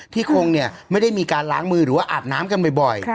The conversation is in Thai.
คงไม่ได้มีการล้างมือหรือว่าอาบน้ำกันบ่อย